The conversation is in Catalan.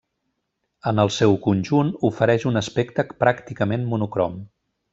En el seu conjunt, ofereix un aspecte pràcticament monocrom.